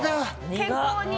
健康に。